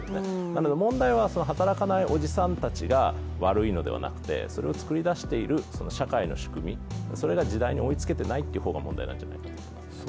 なので、問題は働かないおじさんたちが悪いのではなくて、それを作り出している社会の仕組み、それが時代に追いつけていないのが問題だと思います。